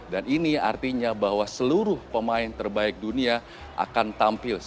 dan ini artinya bahwa seluruh pemain terbaik dunia akan tampil